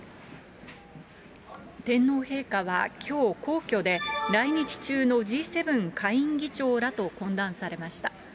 天皇陛下はきょう、皇居で来日中のＧ７下院議長らと懇談されました。